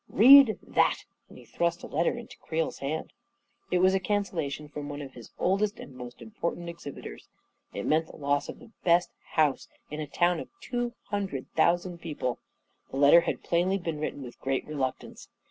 "Read that!" and he thrust a letter into Creel's hand. It was a cancellation from one of his oldest and most important exhibitors; it meant the loss of the best house in a town of two hundred thousand peo . pie. The letter had plainly been written with great reluctance.